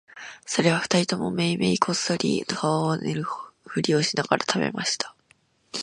それは二人ともめいめいこっそり顔へ塗るふりをしながら喰べました